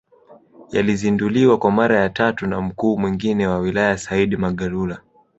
Yalizinduliwa kwa mara ya tatu na mkuu mwingine wa wilaya Said Magalula